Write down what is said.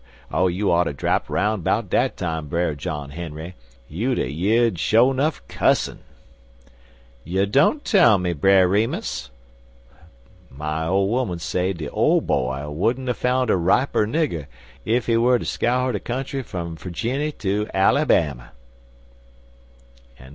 Oh, you oughter drapt roun' 'bout dat time, Brer John Henry. You'd a year'd sho' nuff cussin'!" "You don't tell me, Brer Remus!" "My ole 'oman say de Ole Boy wouldn't a foun' a riper nigger, ef he wer' ter scour de country fum Ferginny ter de Alabam'" XXI.